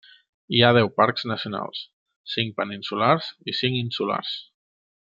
Hi ha deu parcs nacionals: cinc peninsulars i cinc insulars.